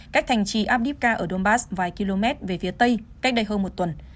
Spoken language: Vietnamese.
cách thành trì abdybka ở donbass vài km về phía tây cách đây hơn một tuần